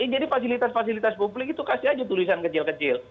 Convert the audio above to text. jadi fasilitas fasilitas publik itu kasih aja tulisan kecil kecil